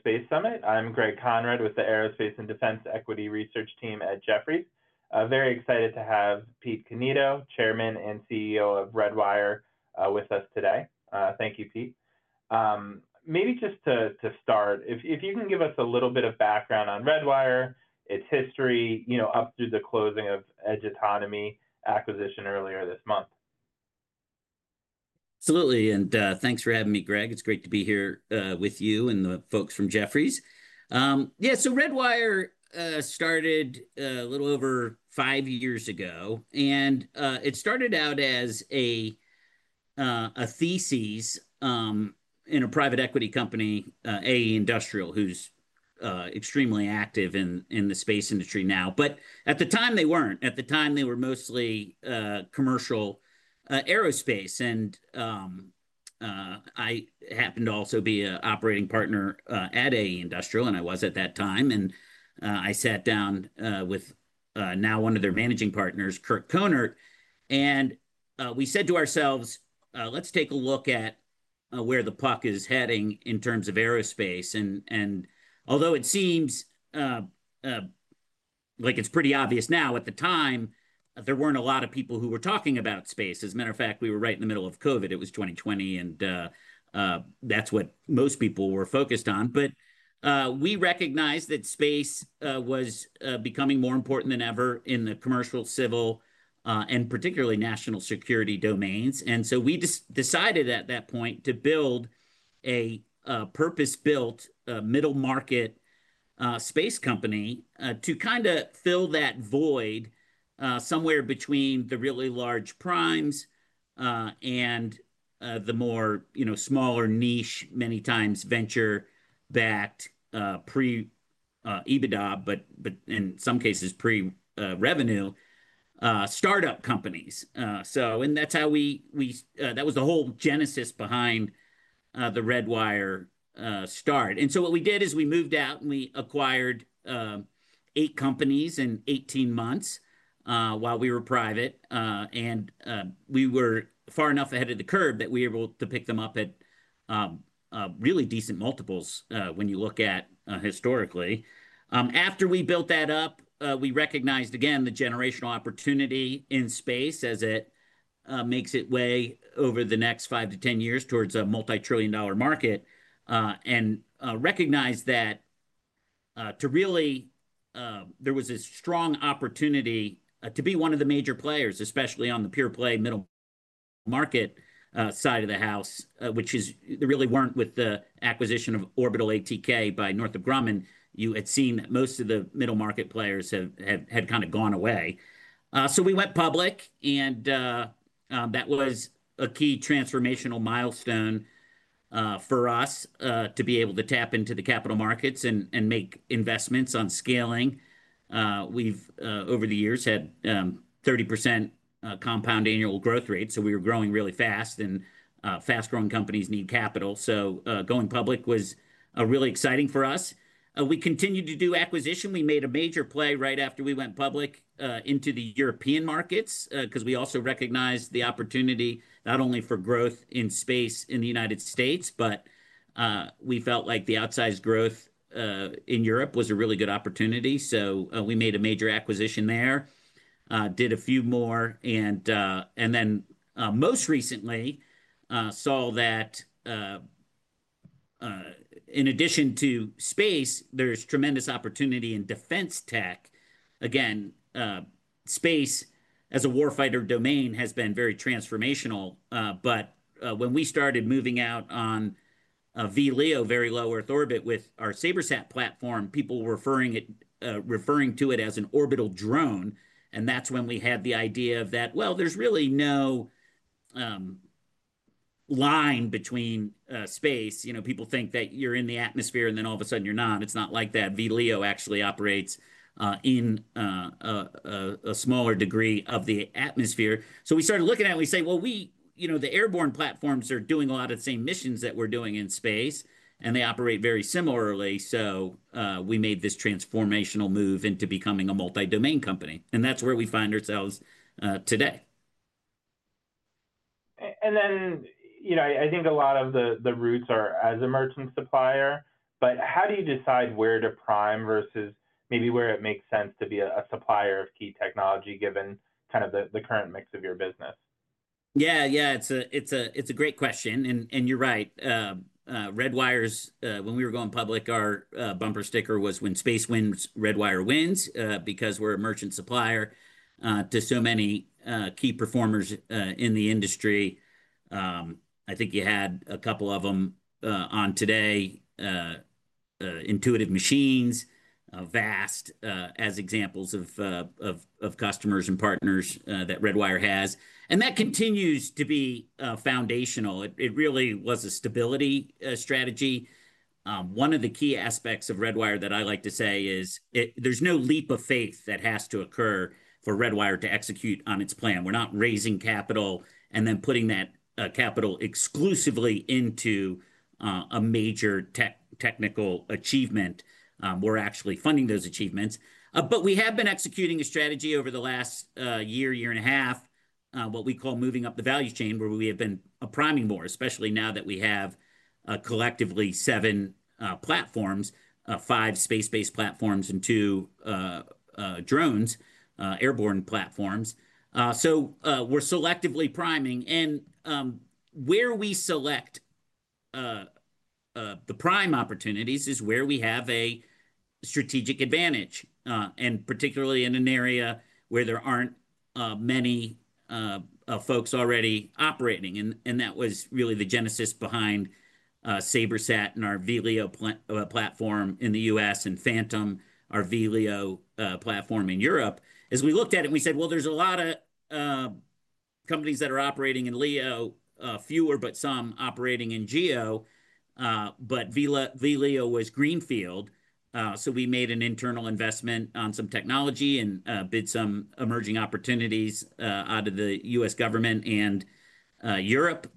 Space Summit. I'm Greg Conrad with the Aerospace and Defense Equity Research Team at Jefferies. Very excited to have Pete Cannito, Chairman and CEO of Redwire, with us today. Thank you, Pete. Maybe just to start, if you can give us a little bit of background on Redwire, its history, up through the closing of Edge Autonomy acquisition earlier this month. Absolutely. Thanks for having me, Greg. It's great to be here with you and the folks from Jefferies. Yeah, Redwire started a little over five years ago. It started out as a thesis in a private equity company, AE Industrial, who's extremely active in the space industry now. At the time, they were not. At the time, they were mostly commercial aerospace. I happened to also be an operating partner at AE Industrial, and I was at that time. I sat down with now one of their managing partners, Kirk Konert, and we said to ourselves, let's take a look at where the puck is heading in terms of aerospace. Although it seems like it's pretty obvious now, at the time, there were not a lot of people who were talking about space. As a matter of fact, we were right in the middle of COVID. It was 2020. That was what most people were focused on. We recognized that space was becoming more important than ever in the commercial, civil, and particularly national security domains. We decided at that point to build a purpose-built middle-market space company to kind of fill that void somewhere between the really large primes and the more smaller niche, many times venture-backed pre-EBITDA, but in some cases, pre-revenue startup companies. That was the whole genesis behind the Redwire start. What we did is we moved out, and we acquired eight companies in 18 months while we were private. We were far enough ahead of the curve that we were able to pick them up at really decent multiples when you look at historically. After we built that up, we recognized, again, the generational opportunity in space as it makes its way over the next 5-10 years towards a multi-trillion dollar market. And recognized that to really—there was a strong opportunity to be one of the major players, especially on the pure play middle market side of the house, which is there really weren't with the acquisition of Orbital ATK by Northrop Grumman. You had seen that most of the middle market players had kind of gone away. We went public. That was a key transformational milestone for us to be able to tap into the capital markets and make investments on scaling. We've, over the years, had 30% compound annual growth rate. We were growing really fast. Fast-growing companies need capital. Going public was really exciting for us. We continued to do acquisition. We made a major play right after we went public into the European markets because we also recognized the opportunity not only for growth in space in the United States, but we felt like the outsized growth in Europe was a really good opportunity. We made a major acquisition there, did a few more, and then most recently saw that in addition to space, there is tremendous opportunity in defense tech. Again, space as a warfighter domain has been very transformational. When we started moving out on VLEO, Very Low Earth Orbit, with our SabreSat platform, people were referring to it as an orbital drone. That is when we had the idea that, well, there is really no line between space. People think that you are in the atmosphere and then all of a sudden you are not. It is not like that. VLEO actually operates in a smaller degree of the atmosphere. We started looking at it. We say, well, the airborne platforms are doing a lot of the same missions that we're doing in space. They operate very similarly. We made this transformational move into becoming a multi-domain company. That's where we find ourselves today. I think a lot of the roots are as emerging supplier. How do you decide where to prime versus maybe where it makes sense to be a supplier of key technology given kind of the current mix of your business? Yeah, yeah. It's a great question. And you're right. Redwire's, when we were going public, our bumper sticker was, "When space wins, Redwire wins," because we're a merchant supplier to so many key performers in the industry. I think you had a couple of them on today: Intuitive Machines, Vast as examples of customers and partners that Redwire has. And that continues to be foundational. It really was a stability strategy. One of the key aspects of Redwire that I like to say is there's no leap of faith that has to occur for Redwire to execute on its plan. We're not raising capital and then putting that capital exclusively into a major technical achievement. We're actually funding those achievements. We have been executing a strategy over the last year, year and a half, what we call moving up the value chain, where we have been priming more, especially now that we have collectively seven platforms, five space-based platforms, and two drones, airborne platforms. We are selectively priming. Where we select the prime opportunities is where we have a strategic advantage, and particularly in an area where there are not many folks already operating. That was really the genesis behind SabreSat and our VLEO platform in the U.S., and Phantom, our VLEO platform in Europe. As we looked at it, we said, there are a lot of companies that are operating in LEO, fewer but some operating in GEO. VLEO was greenfield. We made an internal investment on some technology and bid some emerging opportunities out of the U.S. government and Europe,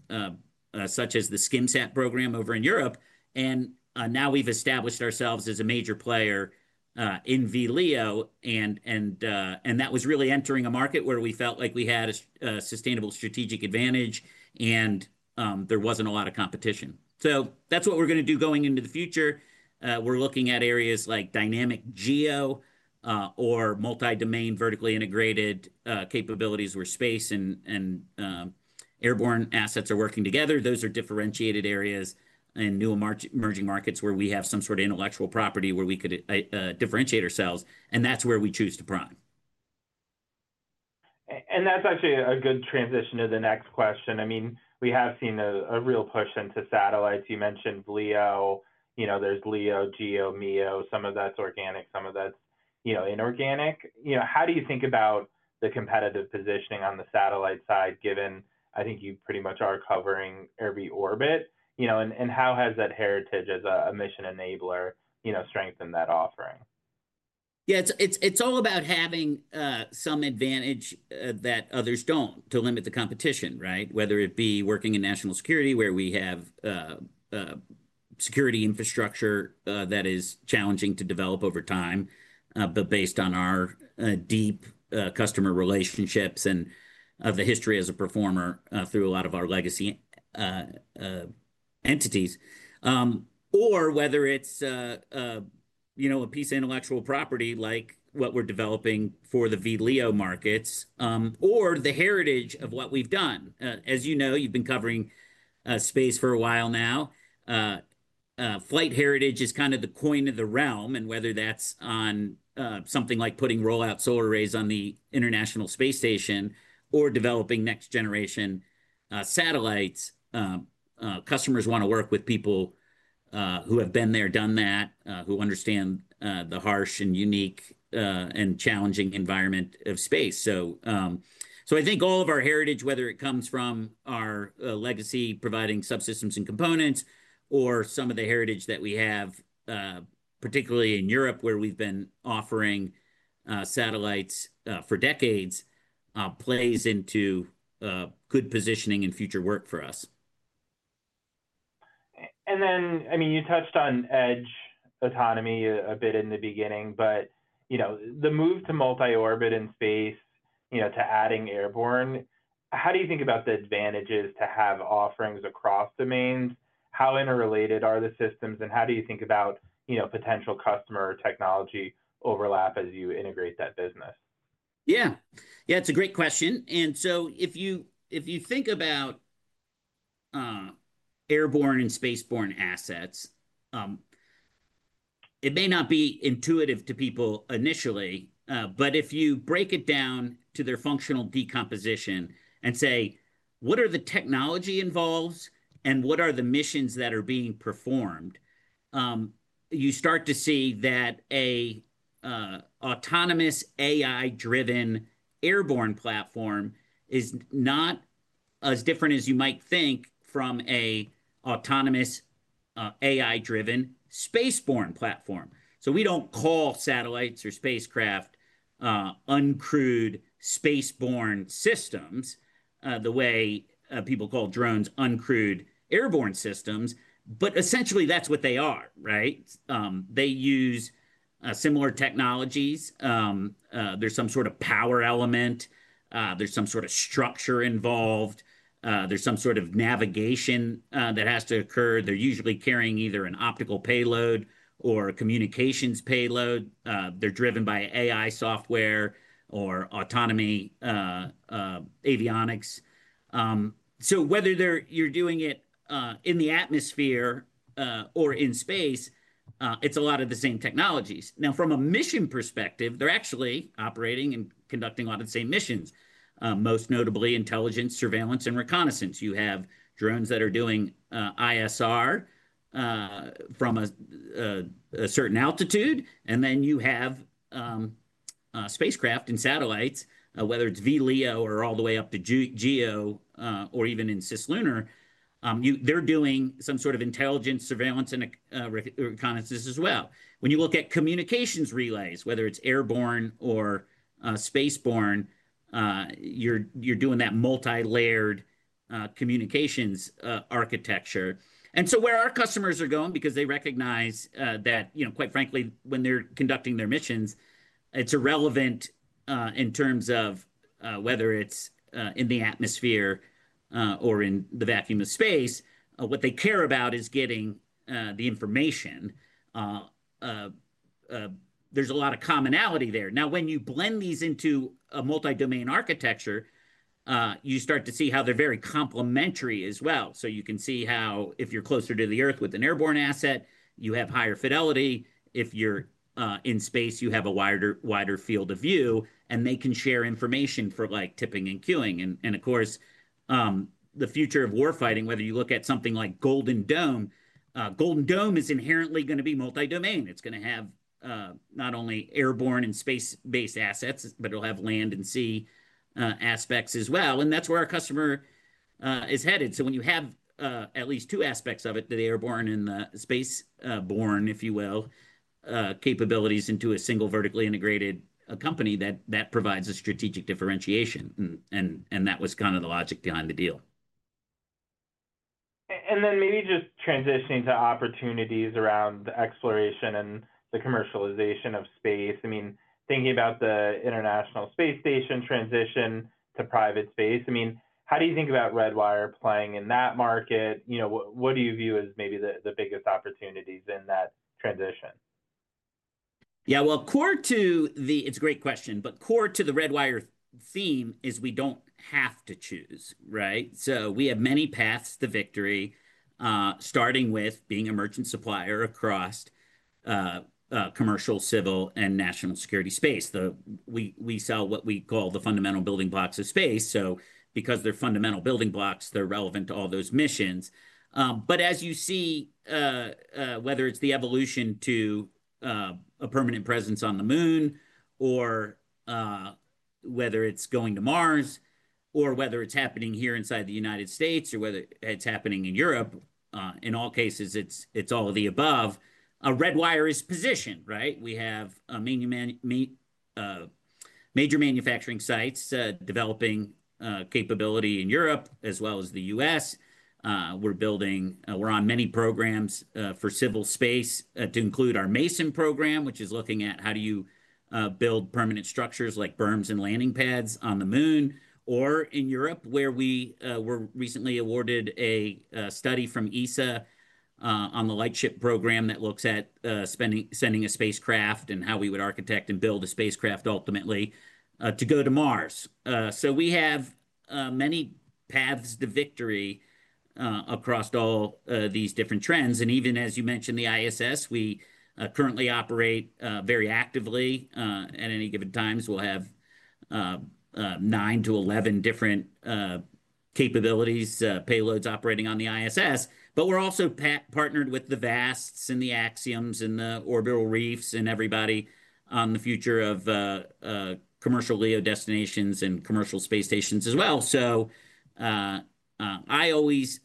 such as the SCIMSAT program over in Europe. Now we've established ourselves as a major player in VLEO. That was really entering a market where we felt like we had a sustainable strategic advantage, and there was not a lot of competition. That is what we are going to do going into the future. We are looking at areas like dynamic GEO or multi-domain vertically integrated capabilities where space and airborne assets are working together. Those are differentiated areas in new emerging markets where we have some sort of intellectual property where we could differentiate ourselves. That is where we choose to prime. That's actually a good transition to the next question. I mean, we have seen a real push into satellites. You mentioned LEO. There's LEO, GEO, MEO. Some of that's organic. Some of that's inorganic. How do you think about the competitive positioning on the satellite side, given I think you pretty much are covering every orbit? How has that heritage as a mission enabler strengthened that offering? Yeah, it's all about having some advantage that others don't to limit the competition, right? Whether it be working in national security, where we have security infrastructure that is challenging to develop over time, but based on our deep customer relationships and the history as a performer through a lot of our legacy entities. Or whether it's a piece of intellectual property like what we're developing for the VLEO markets, or the heritage of what we've done. As you know, you've been covering space for a while now. Flight heritage is kind of the coin of the realm. Whether that's on something like putting Rollout Solar Arrays on the International Space Station or developing next-generation satellites, customers want to work with people who have been there, done that, who understand the harsh and unique and challenging environment of space. I think all of our heritage, whether it comes from our legacy providing subsystems and components or some of the heritage that we have, particularly in Europe, where we've been offering satellites for decades, plays into good positioning and future work for us. I mean, you touched on Edge Autonomy a bit in the beginning. The move to multi-orbit in space, to adding airborne, how do you think about the advantages to have offerings across domains? How interrelated are the systems? How do you think about potential customer technology overlap as you integrate that business? Yeah. Yeah, it's a great question. If you think about airborne and spaceborne assets, it may not be intuitive to people initially. If you break it down to their functional decomposition and say, what are the technology involved, and what are the missions that are being performed, you start to see that an autonomous AI-driven airborne platform is not as different as you might think from an autonomous AI-driven spaceborne platform. We do not call satellites or spacecraft uncrewed spaceborne systems the way people call drones uncrewed airborne systems. Essentially, that's what they are, right? They use similar technologies. There is some sort of power element. There is some sort of structure involved. There is some sort of navigation that has to occur. They are usually carrying either an optical payload or a communications payload. They are driven by AI software or autonomy avionics. Whether you're doing it in the atmosphere or in space, it's a lot of the same technologies. Now, from a mission perspective, they're actually operating and conducting a lot of the same missions, most notably intelligence, surveillance, and reconnaissance. You have drones that are doing ISR from a certain altitude. Then you have spacecraft and satellites, whether it's VLEO or all the way up to GEO or even in Cislunar. They're doing some sort of intelligence, surveillance, and reconnaissance as well. When you look at communications relays, whether it's airborne or spaceborne, you're doing that multi-layered communications architecture. Where our customers are going, because they recognize that, quite frankly, when they're conducting their missions, it's irrelevant in terms of whether it's in the atmosphere or in the vacuum of space. What they care about is getting the information. There's a lot of commonality there. Now, when you blend these into a multi-domain architecture, you start to see how they're very complementary as well. You can see how if you're closer to the Earth with an airborne asset, you have higher fidelity. If you're in space, you have a wider field of view. They can share information for like tipping and queuing. Of course, the future of warfighting, whether you look at something like Golden Dome, Golden Dome is inherently going to be multi-domain. It's going to have not only airborne and space-based assets, but it'll have land and sea aspects as well. That's where our customer is headed. When you have at least two aspects of it, the airborne and the spaceborne, if you will, capabilities into a single vertically integrated company, that provides a strategic differentiation. That was kind of the logic behind the deal. Maybe just transitioning to opportunities around the exploration and the commercialization of space. I mean, thinking about the International Space Station transition to private space, I mean, how do you think about Redwire playing in that market? What do you view as maybe the biggest opportunities in that transition? Yeah, core to the, it's a great question. Core to the Redwire theme is we don't have to choose, right? We have many paths to victory, starting with being a merchant supplier across commercial, civil, and national security space. We sell what we call the fundamental building blocks of space. Because they're fundamental building blocks, they're relevant to all those missions. As you see, whether it's the evolution to a permanent presence on the moon, or whether it's going to Mars, or whether it's happening here inside the United States, or whether it's happening in Europe, in all cases, it's all of the above. Redwire is positioned, right? We have major manufacturing sites developing capability in Europe as well as the United States. We're on many programs for civil space to include our MASON program, which is looking at how do you build permanent structures like berms and landing pads on the Moon. In Europe, where we were recently awarded a study from ESA on the Lightship program that looks at sending a spacecraft and how we would architect and build a spacecraft ultimately to go to Mars. We have many paths to victory across all these different trends. Even, as you mentioned, the ISS, we currently operate very actively. At any given time, we'll have 9-11 different capabilities, payloads operating on the ISS. We're also partnered with the Vast and the Axioms and the Orbital Reefs and everybody on the future of commercial LEO destinations and commercial space stations as well. I always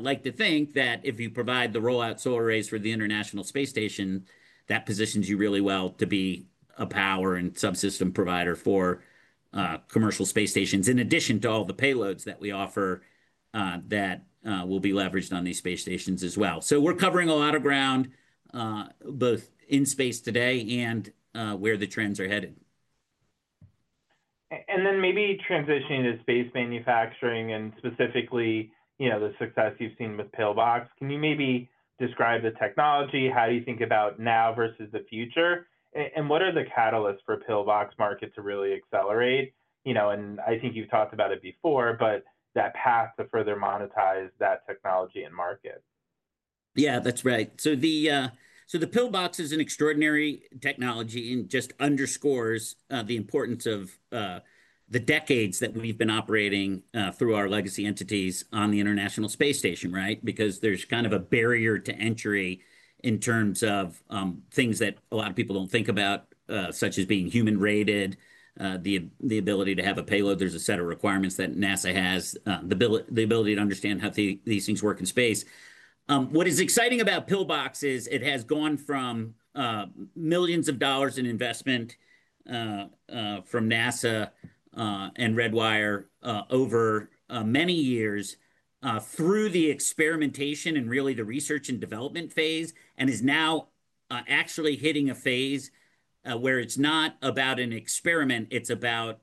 like to think that if you provide the Rollout Solar Arrays for the International Space Station, that positions you really well to be a power and subsystem provider for commercial space stations, in addition to all the payloads that we offer that will be leveraged on these space stations as well. We're covering a lot of ground, both in space today and where the trends are headed. Maybe transitioning to space manufacturing and specifically the success you've seen with Pillbox. Can you maybe describe the technology? How do you think about now versus the future? What are the catalysts for Pillbox market to really accelerate? I think you've talked about it before, but that path to further monetize that technology and market. Yeah, that's right. The Pillbox is an extraordinary technology and just underscores the importance of the decades that we've been operating through our legacy entities on the International Space Station, right? Because there's kind of a barrier to entry in terms of things that a lot of people don't think about, such as being human-rated, the ability to have a payload. There's a set of requirements that NASA has, the ability to understand how these things work in space. What is exciting about Pillbox is it has gone from millions of dollars in investment from NASA and Redwire over many years through the experimentation and really the research and development phase, and is now actually hitting a phase where it's not about an experiment. It's about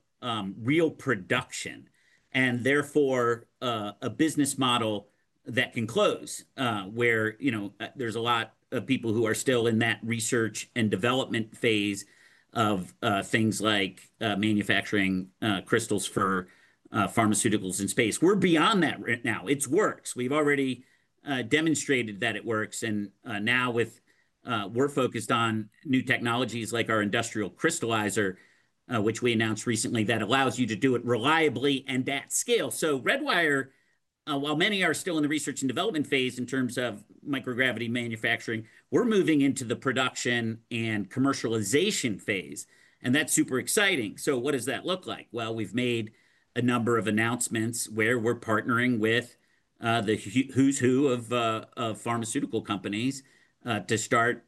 real production and therefore a business model that can close, where there's a lot of people who are still in that research and development phase of things like manufacturing crystals for pharmaceuticals in space. We're beyond that now. It works. We've already demonstrated that it works. Now we're focused on new technologies like our Industrial Crystallizer, which we announced recently that allows you to do it reliably and at scale. Redwire, while many are still in the research and development phase in terms of microgravity manufacturing, we're moving into the production and commercialization phase. That's super exciting. What does that look like? We've made a number of announcements where we're partnering with the who's who of pharmaceutical companies to start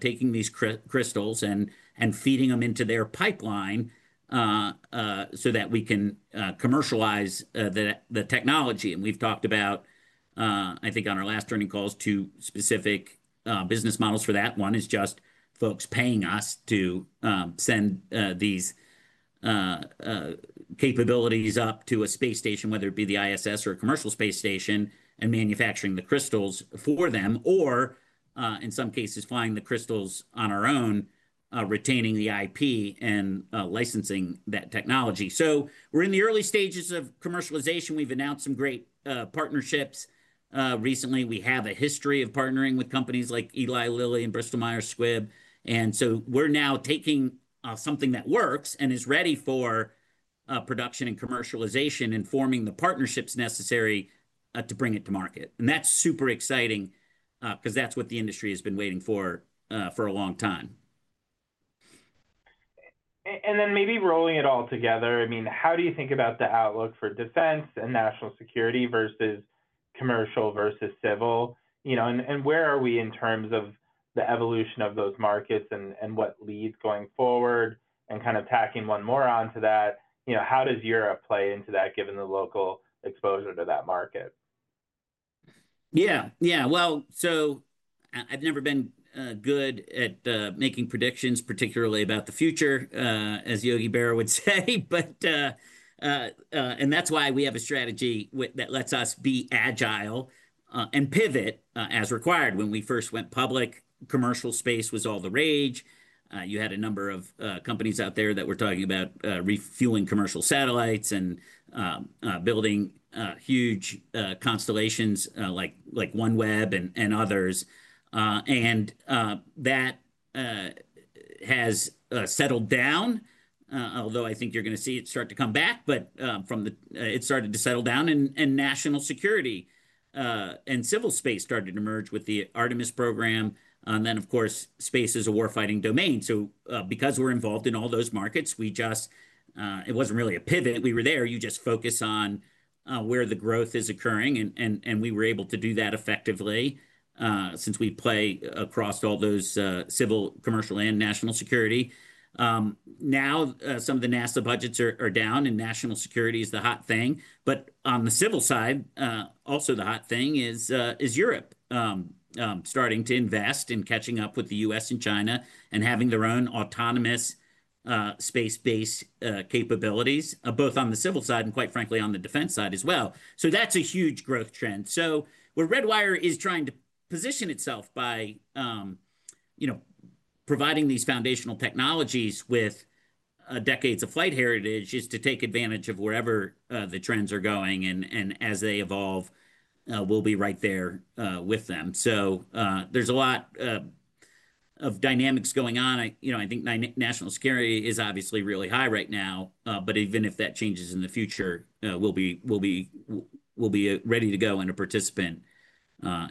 taking these crystals and feeding them into their pipeline so that we can commercialize the technology. We have talked about, I think, on our last earnings calls, two specific business models for that. One is just folks paying us to send these capabilities up to a space station, whether it be the ISS or a commercial space station, and manufacturing the crystals for them, or in some cases, flying the crystals on our own, retaining the IP and licensing that technology. We are in the early stages of commercialization. We have announced some great partnerships recently. We have a history of partnering with companies like Eli Lilly and Bristol Myers Squibb. We are now taking something that works and is ready for production and commercialization and forming the partnerships necessary to bring it to market. That is super exciting because that is what the industry has been waiting for for a long time. Maybe rolling it all together, I mean, how do you think about the outlook for defense and national security versus commercial versus civil? Where are we in terms of the evolution of those markets and what leads going forward? Kind of tacking one more onto that, how does Europe play into that given the local exposure to that market? Yeah, yeah. I've never been good at making predictions, particularly about the future, as Yogi Berra would say. That's why we have a strategy that lets us be agile and pivot as required. When we first went public, commercial space was all the rage. You had a number of companies out there that were talking about refueling commercial satellites and building huge constellations like OneWeb and others. That has settled down, although I think you're going to see it start to come back. It started to settle down. National security and civil space started to emerge with the Artemis Program. Of course, space is a warfighting domain. Because we're involved in all those markets, it wasn't really a pivot. We were there. You just focus on where the growth is occurring. We were able to do that effectively since we play across all those civil, commercial, and national security. Now some of the NASA budgets are down, and national security is the hot thing. On the civil side, also the hot thing is Europe starting to invest and catching up with the U.S. and China and having their own autonomous space-based capabilities, both on the civil side and, quite frankly, on the defense side as well. That is a huge growth trend. Where Redwire is trying to position itself by providing these foundational technologies with decades of flight heritage is to take advantage of wherever the trends are going. As they evolve, we'll be right there with them. There is a lot of dynamics going on. I think national security is obviously really high right now. Even if that changes in the future, we'll be ready to go and a participant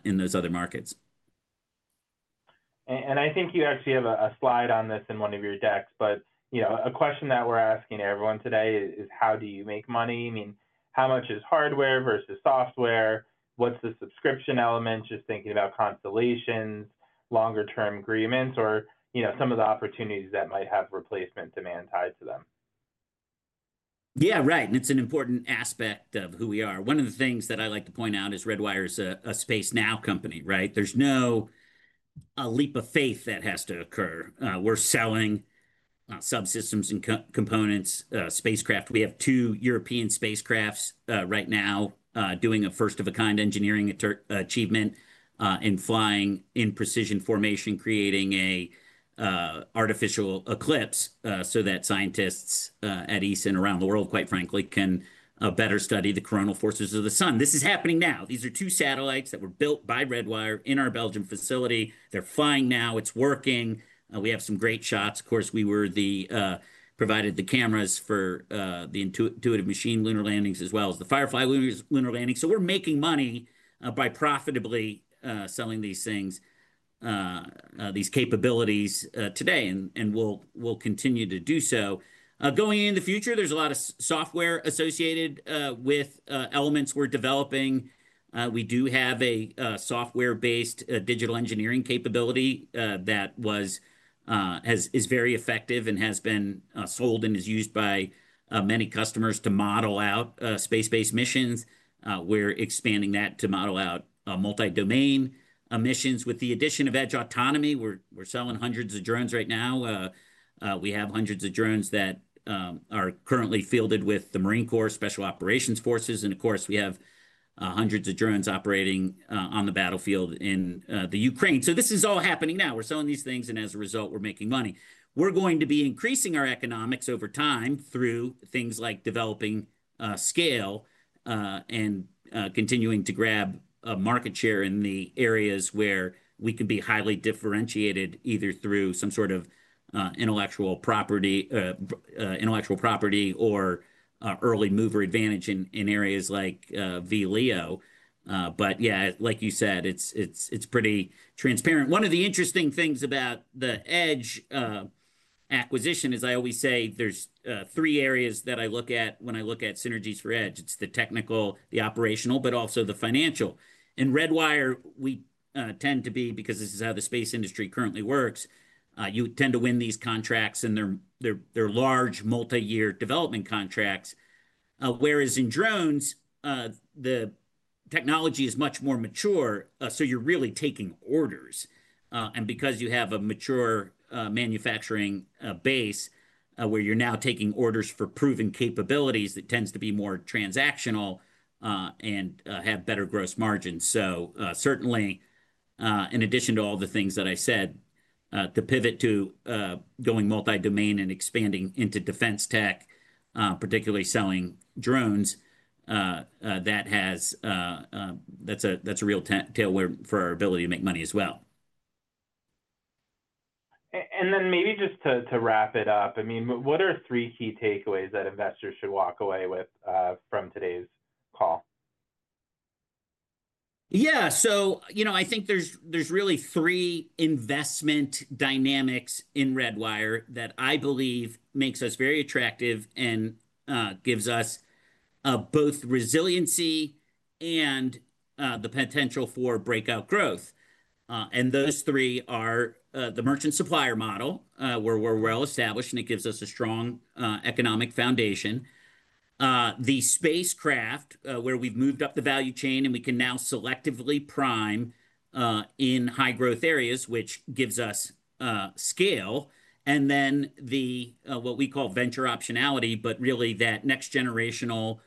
in those other markets. I think you actually have a slide on this in one of your decks. A question that we are asking everyone today is, how do you make money? I mean, how much is hardware versus software? What is the subscription element? Just thinking about constellations, longer-term agreements, or some of the opportunities that might have replacement demand tied to them. Yeah, right. And it's an important aspect of who we are. One of the things that I like to point out is Redwire is a space now company, right? There's no leap of faith that has to occur. We're selling subsystems and components, spacecraft. We have two European spacecraft right now doing a first-of-a-kind engineering achievement in flying in precision formation, creating an artificial eclipse so that scientists at ESA and around the world, quite frankly, can better study the coronal forces of the sun. This is happening now. These are two satellites that were built by Redwire in our Belgium facility. They're flying now. It's working. We have some great shots. Of course, we provided the cameras for the Intuitive Machines lunar landings as well as the Firefly lunar landings. We're making money by profitably selling these things, these capabilities today. We will continue to do so. Going into the future, there's a lot of software associated with elements we're developing. We do have a software-based digital engineering capability that is very effective and has been sold and is used by many customers to model out space-based missions. We're expanding that to model out multi-domain missions. With the addition of Edge Autonomy, we're selling hundreds of drones right now. We have hundreds of drones that are currently fielded with the Marine Corps, Special Operations Forces. We have hundreds of drones operating on the battlefield in Ukraine. This is all happening now. We're selling these things. As a result, we're making money. We're going to be increasing our economics over time through things like developing scale and continuing to grab market share in the areas where we can be highly differentiated, either through some sort of intellectual property or early mover advantage in areas like VLEO. Yeah, like you said, it's pretty transparent. One of the interesting things about the Edge acquisition is I always say there's three areas that I look at when I look at synergies for Edge. It's the technical, the operational, but also the financial. In Redwire, we tend to be, because this is how the space industry currently works, you tend to win these contracts. They're large, multi-year development contracts. Whereas in drones, the technology is much more mature. You're really taking orders. Because you have a mature manufacturing base where you're now taking orders for proven capabilities, it tends to be more transactional and have better gross margins. Certainly, in addition to all the things that I said, to pivot to going multi-domain and expanding into defense tech, particularly selling drones, that's a real tailwind for our ability to make money as well. Maybe just to wrap it up, I mean, what are three key takeaways that investors should walk away with from today's call? Yeah. I think there's really three investment dynamics in Redwire that I believe makes us very attractive and gives us both resiliency and the potential for breakout growth. Those three are the merchant-supplier model, where we're well established, and it gives us a strong economic foundation. The spacecraft, where we've moved up the value chain and we can now selectively prime in high-growth areas, which gives us scale. What we call venture optionality, but really that next-generational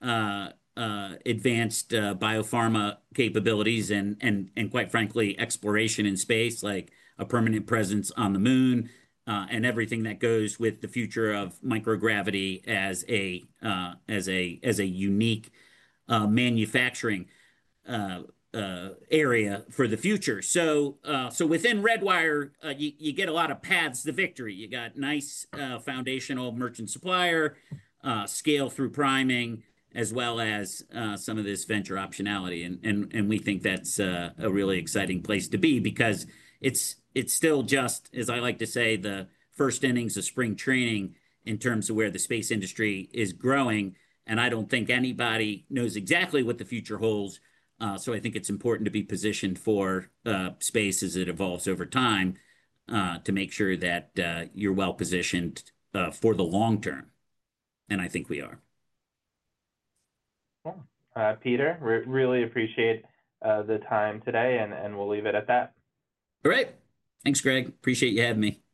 advanced biopharma capabilities and, quite frankly, exploration in space, like a permanent presence on the moon and everything that goes with the future of microgravity as a unique manufacturing area for the future. Within Redwire, you get a lot of paths to victory. You got nice foundational merchant-supplier, scale through priming, as well as some of this venture optionality. We think that's a really exciting place to be because it's still just, as I like to say, the first innings of spring training in terms of where the space industry is growing. I don't think anybody knows exactly what the future holds. I think it's important to be positioned for space as it evolves over time to make sure that you're well positioned for the long term. I think we are. Cool. Peter, really appreciate the time today. We'll leave it at that. All right. Thanks, Greg. Appreciate you having me.